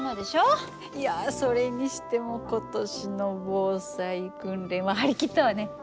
いやそれにしても今年の防災訓練は張り切ったわね。